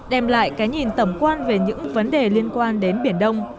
đem lại cái nhìn tẩm quan về những vấn đề liên quan đến biển đông